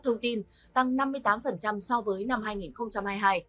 tăng hai trăm linh so với năm hai nghìn hai mươi hai